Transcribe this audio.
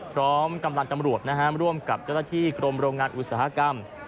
พร้อมกำลังตำรวจร่วมกับเจ้าหน้าที่กรมโรงงานอุตสาหกรรม